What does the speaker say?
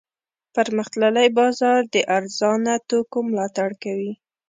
پرمختللی بازار د ارزانه توکو ملاتړ کوي.